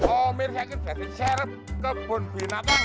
omir saya akan beri serp kebun binatang